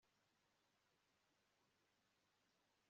Numvise ko Tony yaguze imodoka ihenze